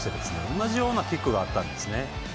同じようなキックがあったんです。